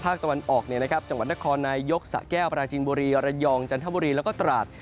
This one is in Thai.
ตะวันออกจังหวัดนครนายยกสะแก้วปราจีนบุรีระยองจันทบุรีแล้วก็ตราด